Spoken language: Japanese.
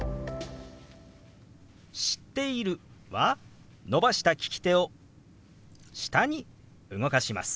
「知っている」は伸ばした利き手を下に動かします。